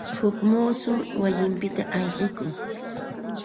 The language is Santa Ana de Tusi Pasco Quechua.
Huk muusum wayinpita ayqikun.